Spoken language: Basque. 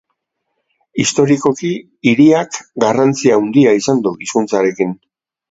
Historikoki, hiriak garrantzi handia izan du hizkuntzarekin.